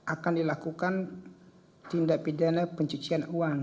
akan dilakukan tindak pidana pencucian uang